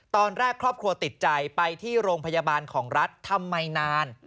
ตอนแรกครอบครัวติดใจไปที่โรงพยาบาลของรัฐทำไมนาน